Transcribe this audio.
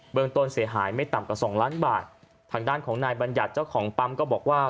เมืองต้นเสียหายไม่ต่ำกว่าสองล้านบาททางด้านของนายบัญญัติเจ้าของปั๊มก็บอกว่า